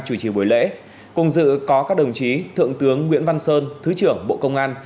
chủ trì buổi lễ cùng dự có các đồng chí thượng tướng nguyễn văn sơn thứ trưởng bộ công an